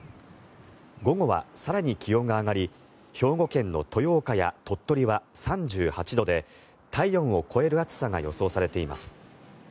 午後は更に気温が上がり兵庫県の豊岡や鳥取は３８度で体温を超える暑さが予想されています。